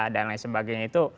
dan lain sebagainya itu